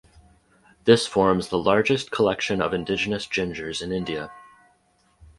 This forms the largest collection of Indigenous gingers in India.